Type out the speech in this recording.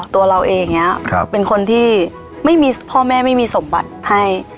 ตัวเราเองเป็นคนที่ไม่มีพ่อแม่ไม่มีสมบัติให้